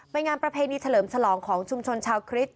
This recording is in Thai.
เป็นงานประเพณีเฉลิมฉลองของชุมชนชาวคริสต